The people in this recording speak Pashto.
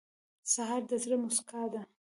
سهار د زړه موسکا ده.